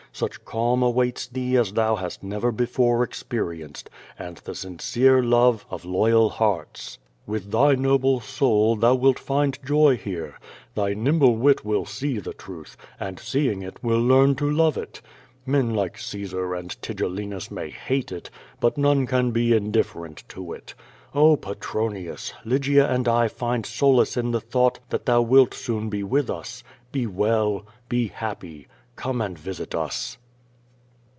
Such calm awaits thee as thou hast never before experienced, and the sincere love of loyal hearts. With thy noble soul thou wilt find joy hero. Thy nimble wit will see the truth, and seeing it, will leani to love it. Men like Caesar and Tigellinus may hate it, but none can be indiiferent to it. Oh, Petronius! Lygia and I find solace in the thought that thou wilt soon be with us. Be well. Be happy. Come and visit us!